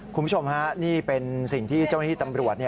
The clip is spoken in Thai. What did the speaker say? คุณผู้ชมฮะนี่เป็นสิ่งที่เจ้าหน้าที่ตำรวจ